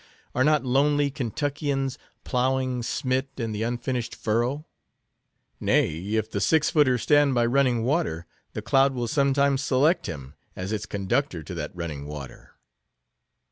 Are not lonely Kentuckians, ploughing, smit in the unfinished furrow? Nay, if the six footer stand by running water, the cloud will sometimes select him as its conductor to that running water.